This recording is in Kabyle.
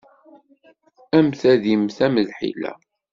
Am tadimt, am lḥila.